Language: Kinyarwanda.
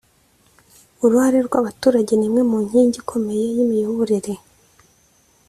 Uruhare rw abaturage ni imwe mu nkingi ikomeye y imiyoborere